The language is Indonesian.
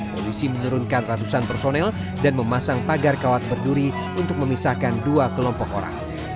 polisi menurunkan ratusan personel dan memasang pagar kawat berduri untuk memisahkan dua kelompok orang